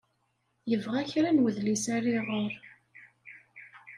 Yebɣa kra n wedlis ara iɣeṛ.